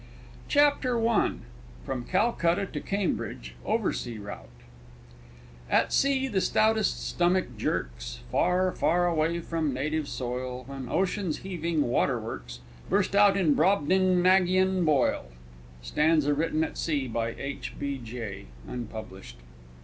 CHAPTER I FROM CALCUTTA TO CAMBRIDGE OVERSEA ROUTE At sea the stoutest stomach jerks, Far, far away from native soil, When Ocean's heaving waterworks Burst out in Brobdingnagian boil! _Stanza written at Sea, by H. B. J. (unpublished).